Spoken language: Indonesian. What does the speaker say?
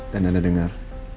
dan anda dengar